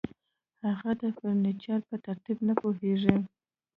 هغه د فرنیچر په ترتیب نه پوهیږي